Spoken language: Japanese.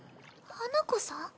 花子さん？